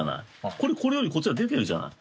これこれよりこっちが出てるじゃない。